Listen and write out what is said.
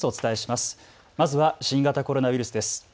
まずは新型コロナウイルスです。